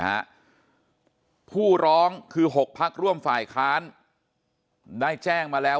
ในเวลา๑๕นาฬิกาผู้ร้องคือ๖พักร่วมฝ่ายค้านได้แจ้งมาแล้ว